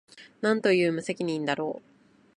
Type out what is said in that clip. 何という無責任だろう